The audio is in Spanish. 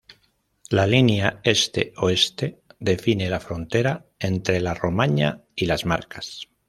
La línea este-oeste define la frontera entre la Romaña y Las Marcas.